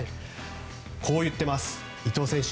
こう言っています、伊藤選手。